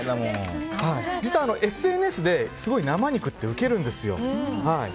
実はＳＮＳで生肉ってウケるんですよ。